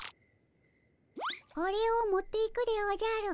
これを持っていくでおじゃる。